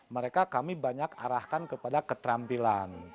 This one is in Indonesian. mereka kami banyak arahkan kepada keterampilan